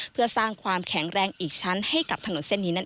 เพื่อสร้างความแข็งแรงอีกชั้นให้กับถนนเส้นนี้นั่นเอง